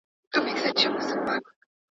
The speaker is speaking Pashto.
هغه وويل چي جبر په دين کي نسته.